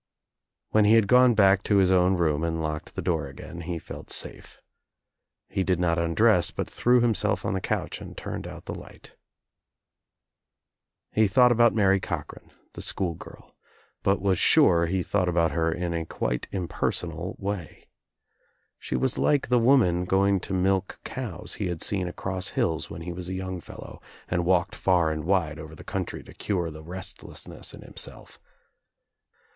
»When he had gone back to his own room and locked the door again he felt safe. He did not undress but threw himself on the couch and turned out the light. He thought about Mary Cochran, the school girl, but was sure he thought about her in a quite imper na] way. She was like the woman going to milk 128 THE TRIUMPH OF THE EGG COWS he had seen across hills when he was a young fellow and walked far and wide over the country to cure the restlessness In himself.